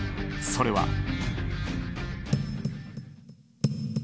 それは。